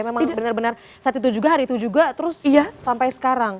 memang benar benar saat itu juga hari itu juga terus sampai sekarang